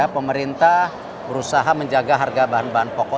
pemerintah berusaha menjaga harga bahan bahan pokok